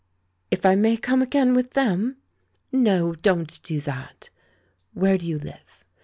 "If I may come again with them ?" "No, don't do that! Where do you live?